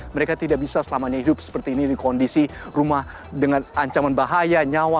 mereka tidak bisa selamanya hidup seperti ini di kondisi rumah dengan ancaman bahaya nyawa